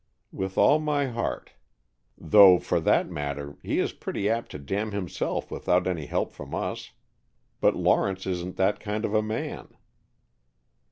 "With all my heart. Though, for that matter, he is pretty apt to damn himself without any help from us. But Lawrence isn't that kind of a man."